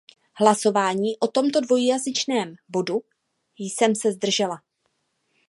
Hlasování o tomto dvojznačném bodu jsem se zdržela.